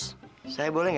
terima kasih procedur